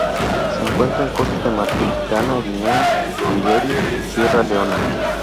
Se encuentra en Costa de Marfil, Ghana, Guinea, Liberia y Sierra Leona.